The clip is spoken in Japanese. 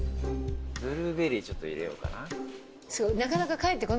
ブルーベリーちょっと入れようかな。